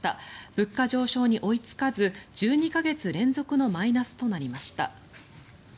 物価上昇に追いつかず１２か月連続のマイナスとなりました。